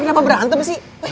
kenapa berantem sih